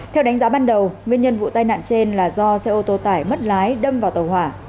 theo đánh giá ban đầu nguyên nhân vụ tai nạn trên là do xe ô tô tải mất lái đâm vào tàu hỏa